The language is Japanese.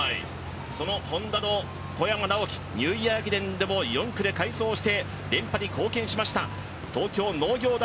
そのＨｏｎｄａの小山直城、ニューイヤー駅伝でも４区で快走して、連覇に貢献しました。